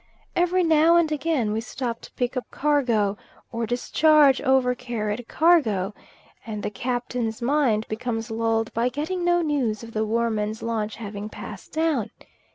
Every now and again we stop to pick up cargo, or discharge over carried cargo, and the Captain's mind becomes lulled by getting no news of the Woermann's launch having passed down.